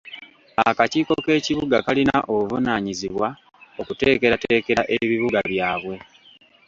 Akakiiko k'ekibuga kalina obuvunaanyizibwa okuteekerateekera ebibuga byabwe.